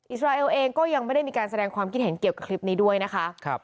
อิสราเอลเองก็ยังไม่ได้มีการแสดงความคิดเห็นเกี่ยวกับคลิปนี้ด้วยนะคะ